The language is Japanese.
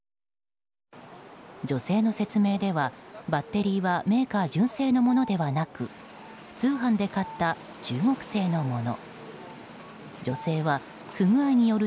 女性の説明では、バッテリーはメーカー純正のものではなく通販で買った中国製のもの。